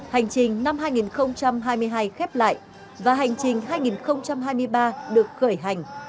hành trình năm hai nghìn hai mươi hai khép lại và hành trình hai nghìn hai mươi ba được khởi hành